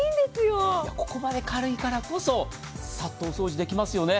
ここまで軽いからこそさっとお掃除できますよね。